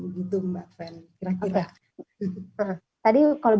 gitu mbak fen kira kira